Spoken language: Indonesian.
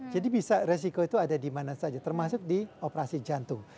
jadi bisa resiko itu ada di mana saja termasuk di operasi jantung